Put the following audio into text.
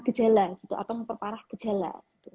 gejala atau memperparah gejala